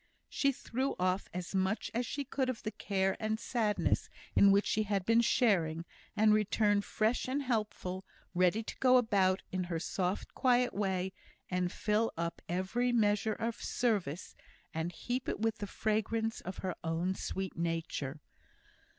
She threw off as much as she could of the care and the sadness in which she had been sharing; and returned fresh and helpful, ready to go about in her soft, quiet way, and fill up every measure of service, and heap it with the fragrance of her own sweet nature.